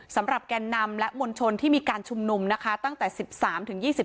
แกนนำและมวลชนที่มีการชุมนุมนะคะตั้งแต่๑๓ถึง๒๕